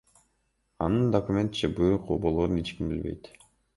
Анын документ же буйрук болорун эч ким билбейт.